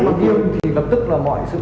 nội dung thì lập tức là